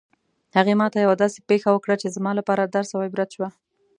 هغې ما ته یوه داسې پېښه وکړه چې زما لپاره درس او عبرت شوه